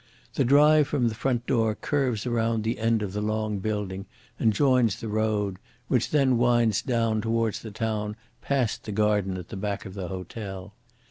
The drive from the front door curves round the end of the long building and joins the road, which then winds down towards the town past the garden at the back of the hotel.